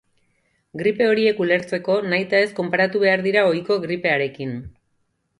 Gripe horiek ulertzeko, nahitaez konparatu behar dira ohiko gripearekin.